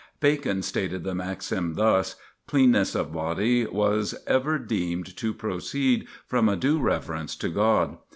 Bacon stated the maxim thus: "Cleanness of body was ever deemed to proceed from a due reverence to God."